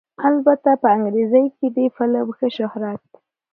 البته په انګرېزۍ کښې دې فلم ښۀ شهرت